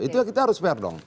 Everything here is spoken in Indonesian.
itu ya kita harus fair dong